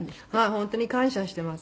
本当に感謝してます。